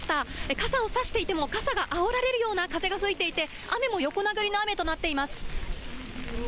傘を差していても傘があおられるような風が吹いていて雨も横殴りの雨となっています。